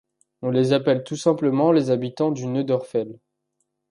On les appelle tout simplement les habitants du Neudoerfel.